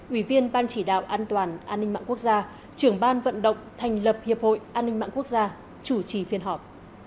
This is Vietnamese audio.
ủy viên ban chỉ đạo an toàn an ninh mạng quốc gia trưởng ban vận động thành lập hiệp hội an ninh mạng quốc gia chủ trì phiên họp